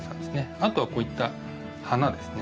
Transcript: あとはこういった花ですね